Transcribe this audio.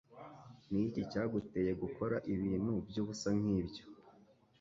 Niki cyaguteye gukora ibintu byubusa nkibyo?